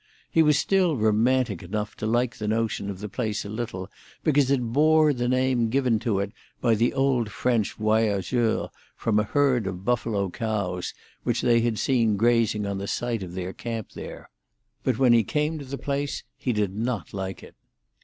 He was still romantic enough to like the notion of the place a little, because it bore the name given to it by the old French voyageurs from a herd of buffalo cows which they had seen grazing on the site of their camp there; but when he came to the place itself he did not like it.